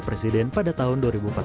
presiden pada tahun dua ribu empat belas